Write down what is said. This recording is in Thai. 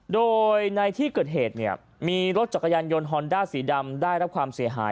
โดยในที่เกิดเหตุเนี่ยมีรถจักรยานยนต์ฮอนด้าสีดำได้รับความเสียหาย